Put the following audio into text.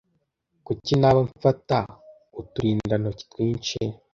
kuki naba mfata uturindantoki twinshi